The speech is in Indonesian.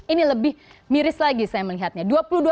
ini lebih miris lagi saya melihatnya